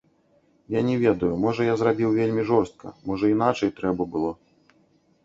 Я не ведаю, можа, я зрабіў вельмі жорстка, можа, іначай трэба было.